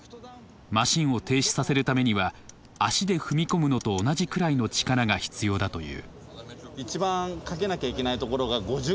マシンを停止させるためには足で踏み込むのと同じくらいの力が必要だという。